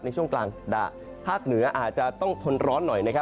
ในช่วงกลางสัปดาห์ภาคเหนืออาจจะต้องทนร้อนหน่อยนะครับ